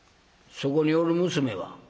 「そこにおる娘は？